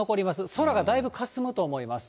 空がだいぶかすむと思います。